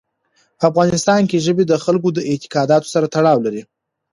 په افغانستان کې ژبې د خلکو د اعتقاداتو سره تړاو لري.